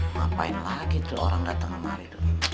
ngapain lagi tuh orang dateng sama ridho